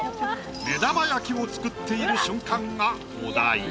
目玉焼きを作っている瞬間がお題。